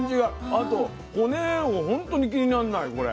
あと骨をほんとに気になんないこれ。